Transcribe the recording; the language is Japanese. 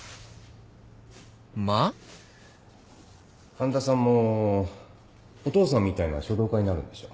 半田さんもお父さんみたいな書道家になるんでしょ？